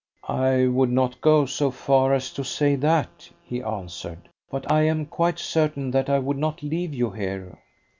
"I would not go so far as to say that," he answered. "But I am quite certain that I would not leave you here."